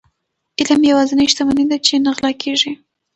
علم يوازنی شتمني ده چي نه غلا کيږي.